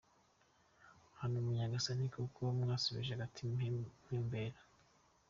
Bantu ba nyagasani koko mwasubije agatima impembero?